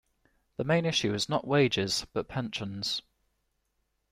The main issue was not wages, but Pensions.